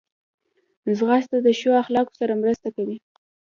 ځغاسته د ښو اخلاقو سره مرسته کوي